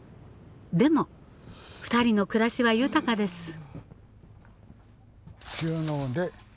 でも２人の暮らしは豊かです。